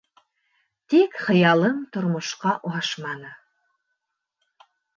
Тик хыялым тормошҡа ашманы.